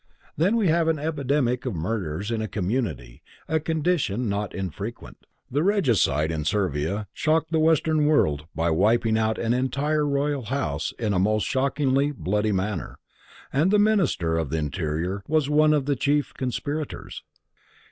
Then we have an epidemic of murders in a community, a condition not infrequent. The regicide in Servia shocked the Western World by wiping out an entire royal house in a most shockingly bloody manner, and the Minister of the Interior was one of the chief conspirators.